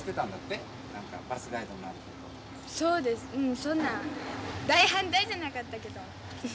そんな大反対じゃなかったけど。